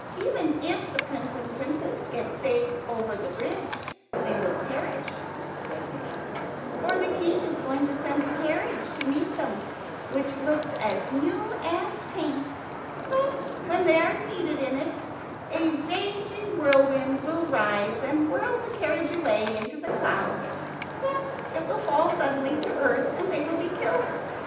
"Even if the prince and princess get safe over the bridge they will perish," said they; "for the king is going to send a carriage to meet them which looks as new as paint. But when they are seated in it a raging wind will rise and whirl the carriage away into the clouds. Then it will fall suddenly to earth, and they will be killed.